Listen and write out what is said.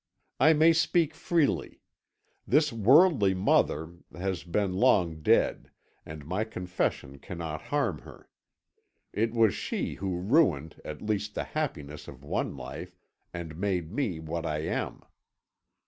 I may speak freely. This worldly mother has been long dead, and my confession cannot harm her. It was she who ruined at least the happiness of one life, and made me what I am.